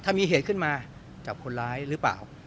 ถ้ามีเหตุขึ้นมาจับคนร้ายหรือเปล่า